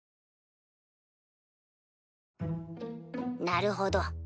なるほど。